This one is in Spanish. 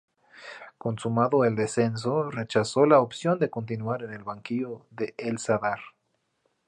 Consumado el descenso, rechazó la opción de continuar en el banquillo de El Sadar.